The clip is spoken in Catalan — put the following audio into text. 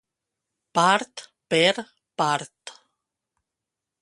Part per part.